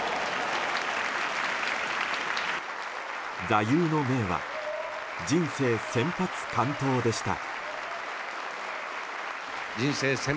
座右の銘は人生先発完投でした。